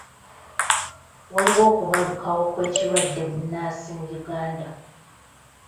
Waliwo okubalukawo kw'ekirwadde bbunansi mu Uganda.